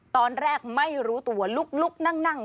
ตอนแรกไม่รู้ตัวลุกนั่ง